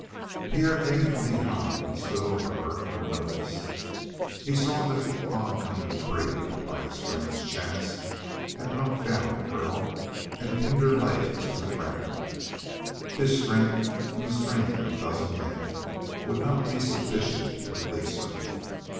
Pierre came from behind and stood over her unnoticed. He saw that the oncoming tree, by a strange chance, had knocked down the girl and pinned her legs to the ground. His strength and the strength of a dozen men would not be sufficient to release her.